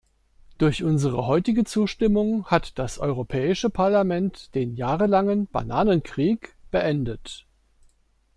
Durch unsere heutige Zustimmung hat das Europäische Parlament den jahrelangen "Bananenkrieg" beendet.